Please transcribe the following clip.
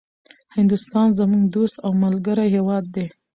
هندوستان زموږ دوست او ملګری هيواد ده